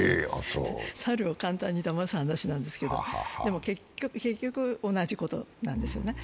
猿を簡単にだます話なんですけど、でも結局同じことなんですね。